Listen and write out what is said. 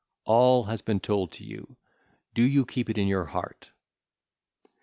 All has been told you: do you keep it in your heart.